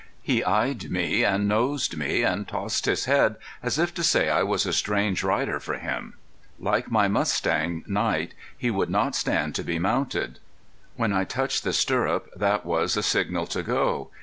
He eyed me, and nosed me, and tossed his head as if to say I was a strange rider for him. Like my mustang, Night, he would not stand to be mounted. When I touched the stirrup that was a signal to go.